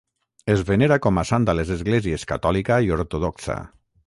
Es venera com a sant a les esglésies catòlica i ortodoxa.